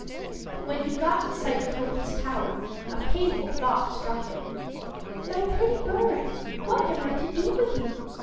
But when he got in sight of Hopeless Tower a painful thought struck him. "My pretty bird, what am I to do with you?